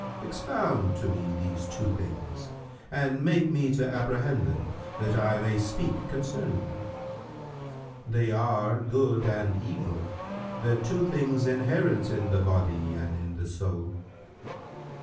"—"Expound to me these two things and make me to apprehend them, that I may speak concerning them." Q "They are good and evil, the two things inherent in the body and in the soul."